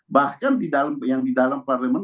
bahkan yang di dalam parlemen